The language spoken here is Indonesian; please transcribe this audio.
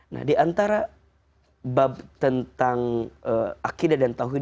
nah di antara bab tentang akhidah dan tauhid